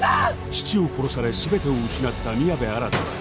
父を殺され全てを失った宮部新は